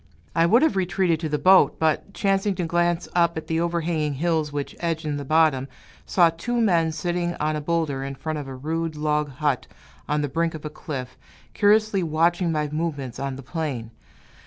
I would have retreated to the boat, but, chancing to glance up at the overhanging hills which edge in the bottom, saw two men sitting on a boulder in front of a rude log hut on the brink of a cliff, curiously watching my movements on the plain.